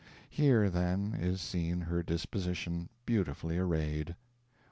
Here, then, is seen her disposition, beautifully arrayed.